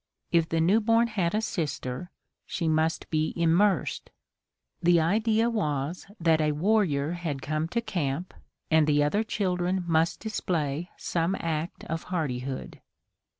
If the new born had a sister, she must be immersed. The idea was that a warrior had come to camp, and the other children must display some act of hardihood.